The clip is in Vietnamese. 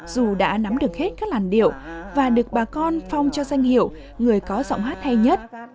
dù đã nắm được hết các làn điệu và được bà con phong cho danh hiệu người có giọng hát hay nhất